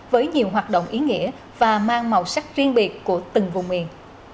với nhiều hoạt động ý nghĩa và mang màu sắc chuyên biệt của từng vùng miền